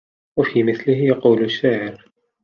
وَفِي مِثْلِهِ يَقُولُ الشَّاعِرُ